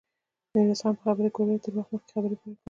ميرويس خان په خبره کې ور ولوېد: تر وخت مخکې پرېکړه مه کوه!